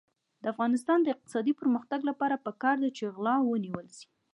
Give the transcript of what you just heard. د افغانستان د اقتصادي پرمختګ لپاره پکار ده چې غلا ونیول شي.